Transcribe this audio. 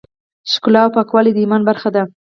ښکلا او پاکوالی د ایمان برخه ده.